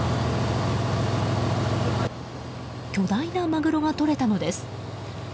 巨大なマグロがとれたのです。